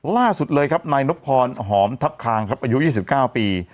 ล่าสุดเลยครับนายนบพรหอมทับคางครับอายุ๒๙ปี